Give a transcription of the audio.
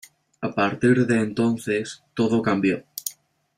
A partir de entonces, todo cambió.